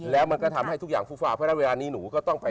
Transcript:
แล้วมันก็ทำให้ทุกอย่างฟูฟ่าเพราะฉะนั้นเวลานี้หนูก็ต้องไป